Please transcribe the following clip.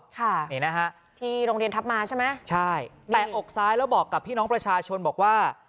ค่ะนี่นะฮะที่โรงเรียนทัพมาใช่ไหมใช่แตะอกซ้ายแล้วบอกกับพี่น้องประชาชนบอกว่า